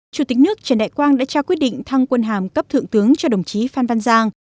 chủ tịch nước trần đại quang đã trao quyết định thăng quân hàm cấp thượng tướng cho đồng chí phan văn giang